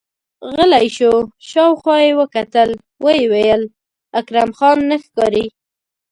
غلی شو، شاوخوا يې وکتل، ويې ويل: اکرم خان نه ښکاري!